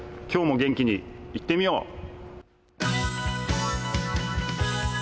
今日も元気にいってみよう！